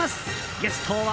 ゲストは。